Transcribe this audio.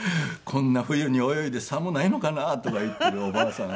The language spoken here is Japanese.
「こんな冬に泳いで寒ないのかな」とか言っているおばあさん